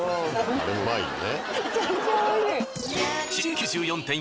あれもうまいよね。